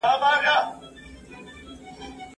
ډیپلوماټان چیرته د ازادې سوداګرۍ خبري کوي؟